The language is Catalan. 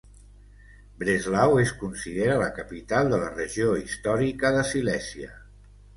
Breslau es considera la capital de la regió històrica de Silèsia.